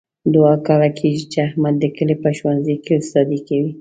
دوه کاله کېږي، چې احمد د کلي په ښوونځۍ کې استادي کوي.